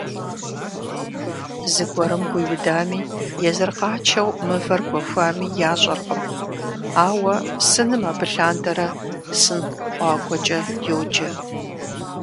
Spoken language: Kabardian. Зыгуэрым гуиудами, езыр къачэу мывэр гуэхуами ящӀэркъым, ауэ сыным абы лъандэрэ «Сын къуагуэкӀэ» йоджэ.